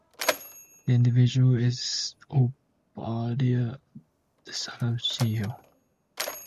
The individual is Obadiah the son of Jehiel.